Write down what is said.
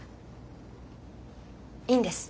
いいんです